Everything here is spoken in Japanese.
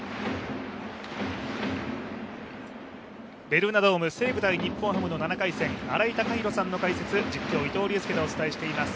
ベルーナドーム、西武×日本ハムの７回戦新井貴浩さんの解説、実況・伊藤隆佑でお伝えしております。